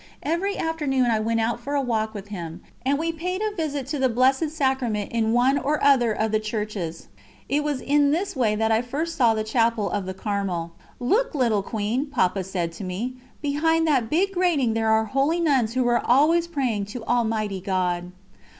Every afternoon I went out for a walk with him, and we paid a visit to the Blessed Sacrament in one or other of the Churches. It was in this way that I first saw the Chapel of the Carmel: "Look, little Queen," Papa said to me, "behind that big grating there are holy nuns who are always praying to Almighty God."